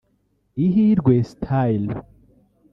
Ihirwe Style